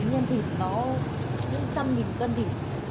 bây giờ em tính ăn thịt nó trăm nghìn một cân thịt